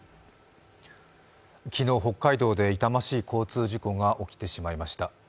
昨日、北海道で痛ましい交通事故が起きてしまいました。